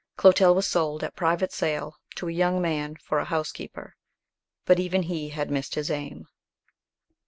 Clotel was sold at private sale to a young man for a housekeeper; but even he had missed his aim.